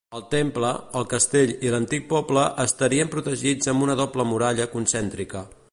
El temple, el castell i l'antic poble estarien protegits amb una doble muralla concèntrica.